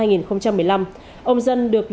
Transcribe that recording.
ông dân được lực lượng phát triển